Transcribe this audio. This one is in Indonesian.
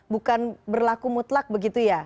bukan berlaku mutlak begitu ya